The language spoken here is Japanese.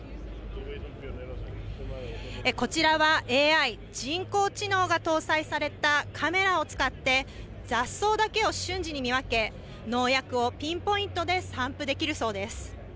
こちらはＡＩ・人工知能が搭載されたカメラを使って、雑草だけを瞬時に見分け、農薬をピンポイントで散布できるそうです。